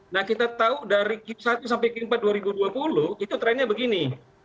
nah kita tahu dari q satu sampai q empat dua ribu dua puluh itu trennya begini